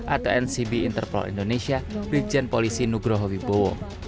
atau ncb interpol indonesia brigjen polisi nugroho wibowo